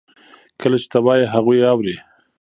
کله چې ته وایې هغوی اوري.